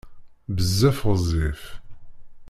Bezzaf ɣezzif.